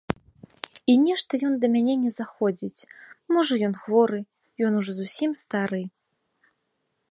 І нешта ён да мяне не заходзіць, можа, ён хворы, ён ужо зусім стары.